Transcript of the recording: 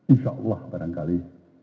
insya allah barangkali